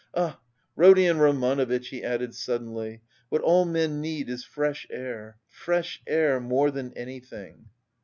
Ah, Rodion Romanovitch," he added suddenly, "what all men need is fresh air, fresh air... more than anything!"